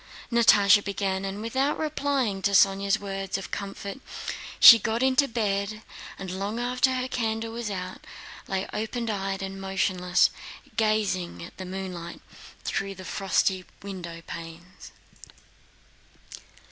Natásha began, and without replying to Sónya's words of comfort she got into bed, and long after her candle was out lay open eyed and motionless, gazing at the moonlight through the frosty windowpanes.